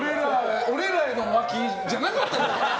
俺らへの沸きじゃなかったんだね。